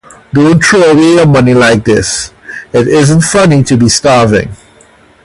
Don't throw away your money like this. It isn't funny to be starving.